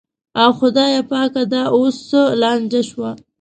او خدایه پاکه دا اوس څه لانجه شوه.